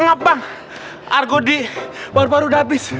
ngap bang argodi baru baru udah abis